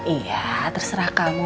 iya terserah kamu